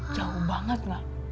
jauh banget nih